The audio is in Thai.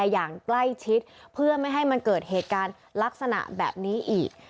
อย่างใกล้ชิดเพื่อไม่ให้มันเกิดเหตุการณ์ลักษณะแบบนี้อีก